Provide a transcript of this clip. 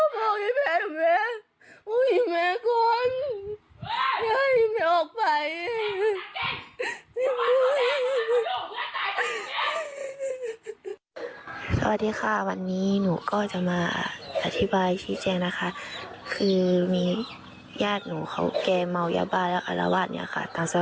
คุณมาให้หนูขอบคุณเลยครอบครัว